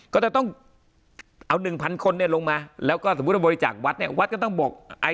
ก็จะต้องเอา๑๐๐คนเนี่ยลงมาแล้วก็สมมุติว่าบริจาควัดเนี่ยวัดก็ต้องบอก